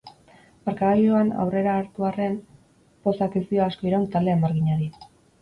Markagailuan aurrea hartu arren, pozak ez dio asko iraun talde armaginari.